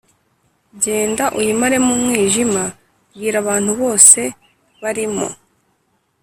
genda uyimaremw umwijima! bwira abantu bose barimo